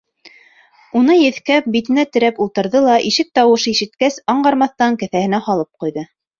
Уны еҫкәп, битенә терәп ултырҙы ла, ишек тауышы ишеткәс, аңғармаҫтан кеҫәһенә һалып ҡуйҙы.